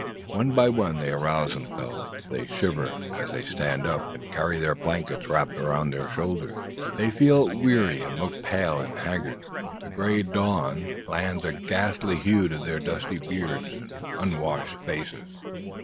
One by one they arouse themselves. They shiver as they stand up, and carry their blankets wrapped about their shoulders. They feel weary, and look pale and haggard. The grey dawn lends a ghastly hue to their dusty beards and unwashed faces.